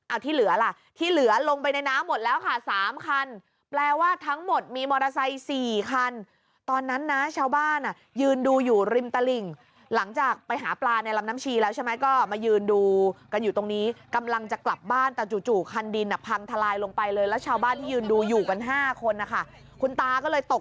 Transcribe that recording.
เอาที่เหลือล่ะที่เหลือลงไปในน้ำหมดแล้วค่ะสามคันแปลว่าทั้งหมดมีมอเตอร์ไซค์สี่คันตอนนั้นนะชาวบ้านอ่ะยืนดูอยู่ริมตลิ่งหลังจากไปหาปลาในลำน้ำชีแล้วใช่ไหมก็มายืนดูกันอยู่ตรงนี้กำลังจะกลับบ้านแต่จู่คันดินอ่ะพังทลายลงไปเลยแล้วชาวบ้านที่ยืนดูอยู่กัน๕คนนะคะคุณตาก็เลยตก